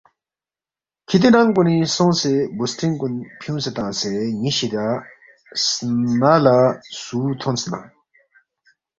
کِھتی ننگ کُنِنگ سونگسے بُوسترِنگ کُن فیُونگسے تنگسے ن٘ی شِدیا سنہ لہ سُو تھونس نہ،